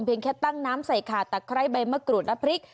แค่ตั้งน้ำใส่ขาดตะไคร้ใบมะกรูดและพริก